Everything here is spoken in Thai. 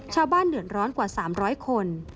ชาวบ้านเดือดร้อนกว่า๓๐๐คน